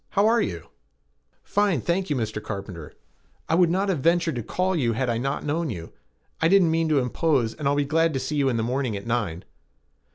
How are you?" "Fine, thank you, Mr. Carpenter. I would not have ventured to call you had I not known you. I didn't mean to impose and I'll be glad to see you in the morning at nine."